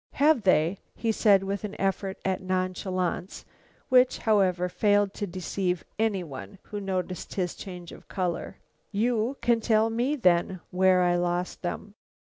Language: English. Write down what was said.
"Have they?" said he, with an effort at nonchalance which, however, failed to deceive any one who noticed his change of color. "You can tell me, then, where I lost them."